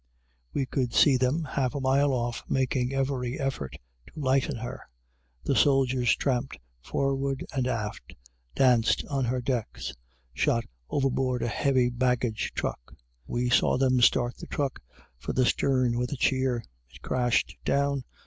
We could see them, half a mile off, making every effort to lighten her. The soldiers tramped forward and aft, danced on her decks, shot overboard a heavy baggage truck. We saw them start the truck for the stern with a cheer. It crashed down.